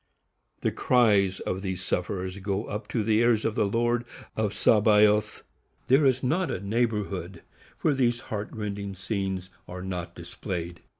The cries of these sufferers go up to the ears of the Lord of Sabaoth. _There is not a neighborhood where these heart rending scenes are not displayed.